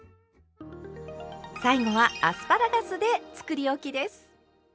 最後はアスパラガスでつくりおきです。